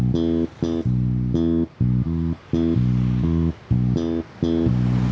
saya dulu pernah jadi copet